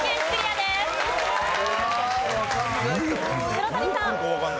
黒谷さん。